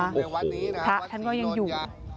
โอ้โหพระท่านก็ยังอยู่